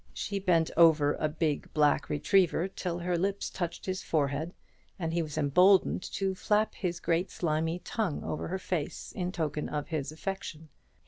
She bent over a big black retriever till her lips touched his forehead, and he was emboldened to flap his great slimy tongue over her face in token of his affection.